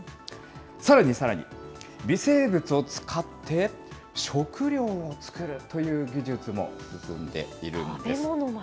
さらにさらに、微生物を使って、食料を作るという技術も進んでいるんです。